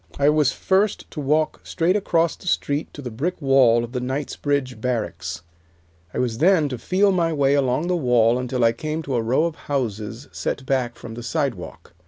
I was first to walk straight across the street to the brick wall of the Knightsbridge Barracks. I was then to feel my way along the wall until I came to a row of houses set back from the sidewalk.